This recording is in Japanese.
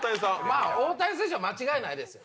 まぁ大谷選手は間違いないですよ。